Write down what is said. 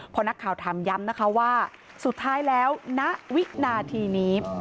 พอนักข่าวถามย้ำนะคะว่าสุดท้ายแล้วณวินาทีนี้